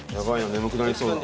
眠くなりそうだわ。